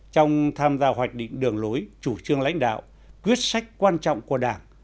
trong tham gia hoạch định đường lối chủ trương lãnh đạo quyết sách quan trọng của đảng